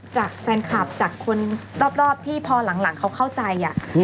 จากแฟนคลับจากคนรอบที่พอหลังเขาเข้าใจ